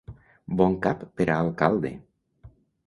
Bon cap per a alcalde!